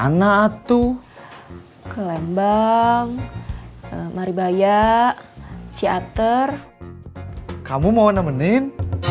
mana atuh ke lembang maribaya theater kamu mau nemenin